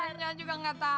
kapan juga gak tau